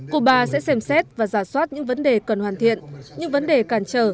cuba sẽ xem xét và giả soát những vấn đề cần hoàn thiện những vấn đề cản trở